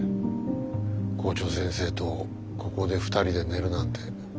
校長先生とここで２人で寝るなんて。